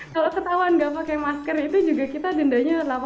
kalau ketahuan enggak pakai masker itu juga kita dendanya delapan puluh euro ya